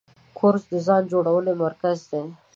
کورس د ځان جوړونې مرکز دی.